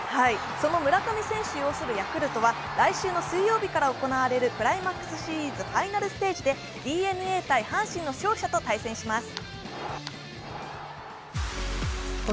その村上選手を擁するヤクルトは来週の水曜日から行われるクライマックスシリーズファイナルステージでＤｅＮＡ×阪神の勝者と対戦します。